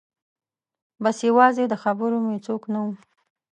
بس یوازې د خبرو مې څوک نه و